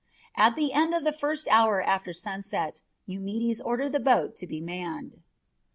At the end of the first hour after sunset Eumedes ordered the boat to be manned.